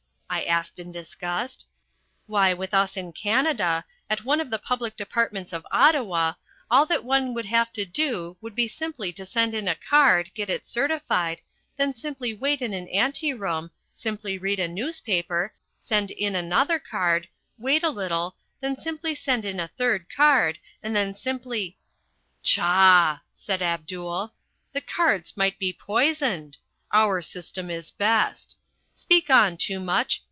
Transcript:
I asked in disgust. "Why with us in Canada, at one of the public departments of Ottawa, all that one would have to do would be simply to send in a card, get it certified, then simply wait in an anteroom, simply read a newspaper, send in another card, wait a little, then simply send in a third card, and then simply " "Pshaw!" said Abdul. "The cards might be poisoned. Our system is best. Speak on, Toomuch.